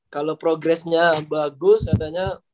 kalau progressnya bagus katanya